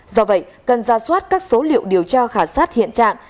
do vậy cần ra soát các số liệu điều tra khảo sát hiện trạng